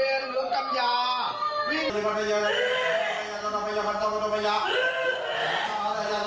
สวัสดิ์ชะโวะลัยยะอน่ะลักงั้น